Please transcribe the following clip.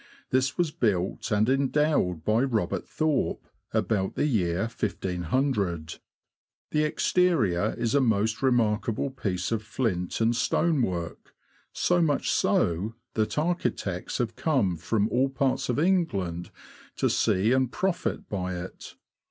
This was built and endowed by Robert Thorpe, about the year 1500. The exterior is a most remarkable piece of flint and stone work ; so much so, that architects have come from all parts of England to see and profit by it.